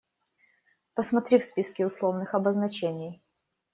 Посмотри в списке условных обозначений.